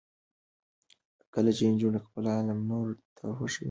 کله چې نجونې خپل علم نورو ته وښيي، همکارۍ اړیکې پیاوړې کېږي.